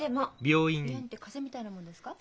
鼻炎って風邪みたいなもんですか？